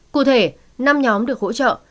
cụ thể năm nhóm được hỗ trợ